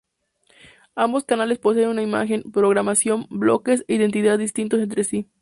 Ambos canales poseen una imagen, programación, bloques e identidad distintos entre sí.